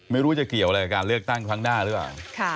ไม่รู้จะเกี่ยวอะไรกับการเลือกตั้งครั้งหน้าหรือเปล่า